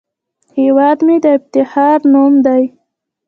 هیواد مې د افتخار نوم دی